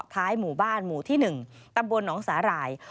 ท้ายหมู่บ้านหมู่ที่๑ตำบลหนองสาหร่าย